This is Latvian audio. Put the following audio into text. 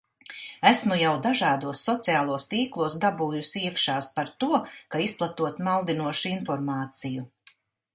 Esmu jau dažādos sociālos tīklos "dabūjusi iekšās" par to, ka izplatot maldinošu informāciju.